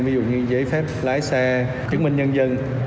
ví dụ như giấy phép lái xe chứng minh nhân dân